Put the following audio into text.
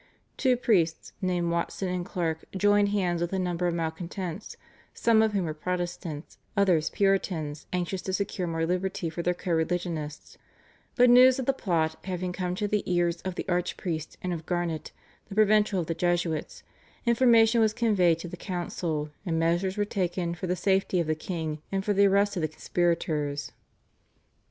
Two priests named Watson and Clarke joined hands with a number of malcontents, some of whom were Protestants, others Puritans anxious to secure more liberty for their co religionists; but news of the plot having come to the ears of the archpriest and of Garnet the provincial of the Jesuits, information was conveyed to the council, and measures were taken for the safety of the king, and for the arrest of the conspirators.